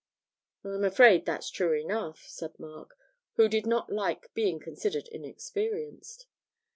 'I'm afraid that's true enough,' said Mark, who did not like being considered inexperienced.